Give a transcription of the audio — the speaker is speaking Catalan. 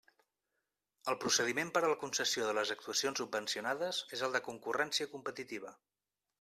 El procediment per a la concessió de les actuacions subvencionades és el de concurrència competitiva.